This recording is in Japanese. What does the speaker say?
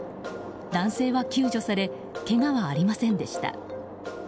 男性は救助されけがはありませんでした。